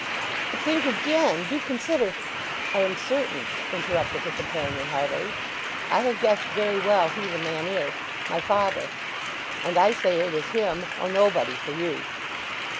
"But think again! Do consider——" "I am certain," interrupted her companion hardily. "I have guessed very well who the man is. My father; and I say it is him or nobody for you."